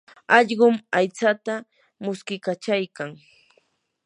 allqum aytsata muskiykachaykan.